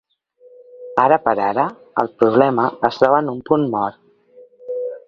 Ara per ara, el problema es troba en un punt mort.